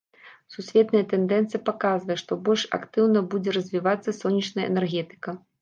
Сусветная тэндэнцыя паказвае, што больш актыўна будзе развівацца сонечная энергетыка.